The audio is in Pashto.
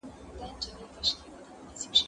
زه به سبا د هنرونو تمرين کوم!.